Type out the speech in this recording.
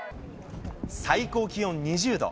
最高気温２０度。